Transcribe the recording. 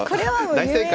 大正解。